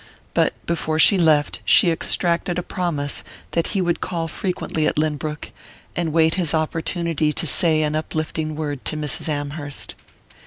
But before she left she extracted a promise that he would call frequently at Lynbrook, and wait his opportunity to say an uplifting word to Mrs. Amherst.